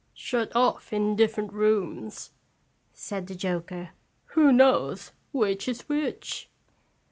"Shut off in different rooms," said the joker, " who knows which is witch."